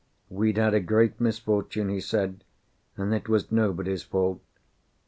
We'd had a great misfortune, he said, and it was nobody's fault.